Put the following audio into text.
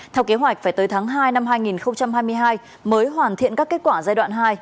theo kế hoạch phải tới tháng hai năm hai nghìn hai mươi hai mới hoàn thiện các kết quả giai đoạn hai